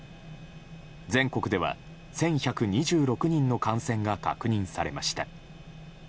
全国では、１１２６人の感染が確認されました。